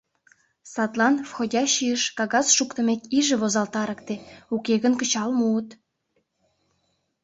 Садлан «входящийыш» кагаз шуктымек иже возалтарыкте, уке гын кычал муыт...